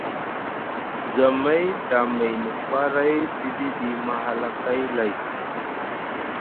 Zamay tamayni faray fiɗiɗi mahalakay lay.